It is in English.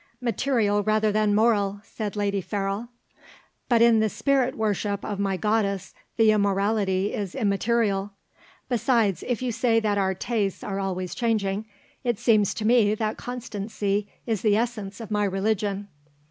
"Material rather than moral," said Lady Ferrol. "But in the spirit worship of my goddess the immorality is immaterial. Besides, if you say that our tastes are always changing, it seems to me that constancy is the essence of my religion."